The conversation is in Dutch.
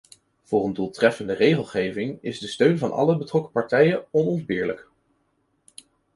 Voor een doeltreffende regelgeving is de steun van alle betrokken partijen onontbeerlijk.